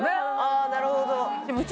あなるほどそう！